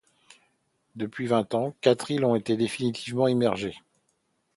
Depuis vingt ans, quatre îles ont été définitivement immergées.